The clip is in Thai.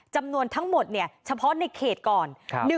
จำนวนทั้งหมดเฉพาะในเขตก่อน